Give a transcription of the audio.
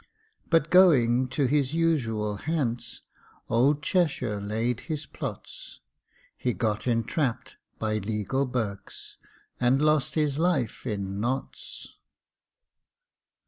But going to his usual Hants, Old Cheshire laid his plots: He got entrapp'd by legal Berks, And lost his life in Notts.